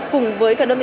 cùng với cả đơn vị